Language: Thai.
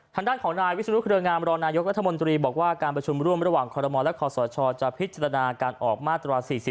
ทางด้านของนายวิศนุเครืองามรองนายกรัฐมนตรีบอกว่าการประชุมร่วมระหว่างคอรมอลและคอสชจะพิจารณาการออกมาตรา๔๔